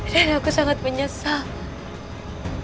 dan aku sangat menyesal